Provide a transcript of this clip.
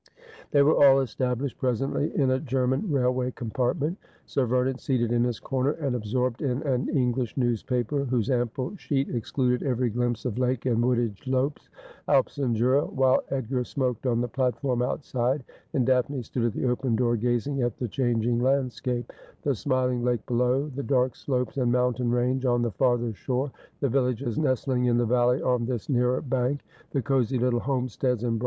They were all established presently in a German railway compartment : bir Vernon seattd in his corner and absorbed in an English newspaper, whose ample sheet excluded ev((ry glimpse of lake and wooded slopes, Alps and Jura ; wliile Edgar smoked on the platform outside, and Daphne stood at the open door, gazing at the changing landscape : the smiling lake below ; the dark slopes and mountain range on the farther shore ; the villages nestling in the valley on this nearer bank, the cosy little homesteads and h: i;;]).